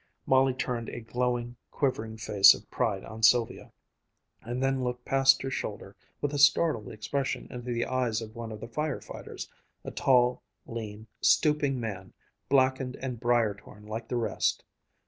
Molly turned a glowing, quivering face of pride on Sylvia, and then looked past her shoulder with a startled expression into the eyes of one of the fire fighters, a tall, lean, stooping man, blackened and briar torn like the rest.